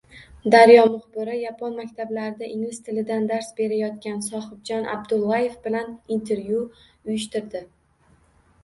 Daryo muxbiri yapon maktablarida ingliz tilidan dars berayotgan Sohibjon Abdullayev bilan intervyu uyushtirdi